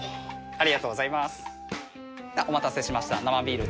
ありがとうございます。